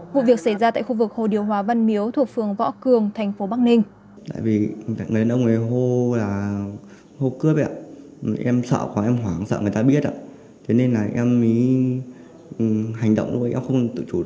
vụ việc xảy ra tại khu vực hồ điều hòa văn miếu thuộc phường võ cường thành phố bắc ninh